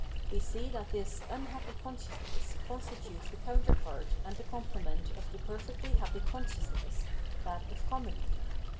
We see that this " Unhappy consciousness " con stitutes the coimterpart and the complement of the per fectly happy consciousness, that of comedy.